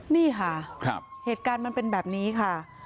นี่ค่ะเหตุการณ์มันเป็นแบบนี้ค่ะ